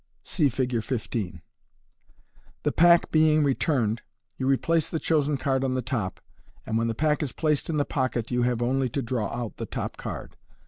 (See Fig. 15.) The pack being returned, you replace the chosen card on the top, and when the pack is placed in the pocket you have only to draw out the top card.